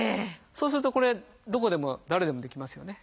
そうするとこれどこでも誰でもできますよね。